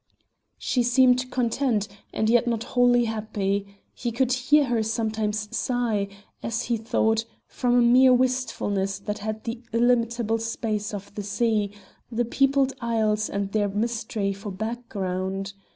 She seemed content, and yet not wholly happy: he could hear her sometimes sigh, as he thought, from a mere wistfulness that had the illimitable spaces of the sea, the peopled isles and all their mystery for background.